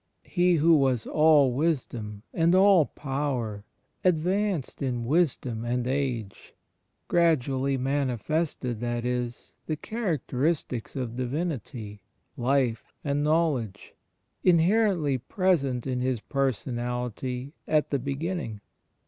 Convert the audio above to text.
He who was all Wis dom and all Power "advanced in wisdom and age" *— gradually manifested, that is, the characteristics of Divinity — Life and Knowledge — inherently present in His Personality at the beginning.